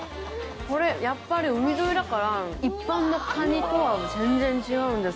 これ、やっぱり海沿いだから、一般の蟹とはもう全然違うんです。